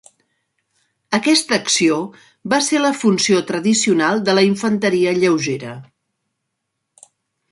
Aquesta acció va ser la funció tradicional de la infanteria lleugera.